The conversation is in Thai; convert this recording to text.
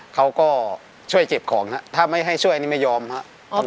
เขาก็ช่วยเก็บของครับถ้าไม่ให้ช่วยนี่ไม่ยอมครับ